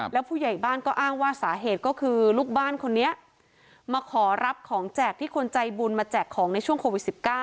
แล้วผู้ใหญ่บ้านก็อ้างว่าสาเหตุก็คือลูกบ้านคนนี้มาขอรับของแจกที่คนใจบุญมาแจกของในช่วงโควิด๑๙